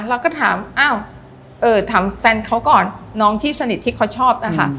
เราก็ถามอ้าวถามแฟนเขาก่อนน้องที่สนิทที่เขาชอบนะคะ